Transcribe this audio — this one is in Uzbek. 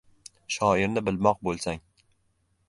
Shoirni bilmoq bo‘lsang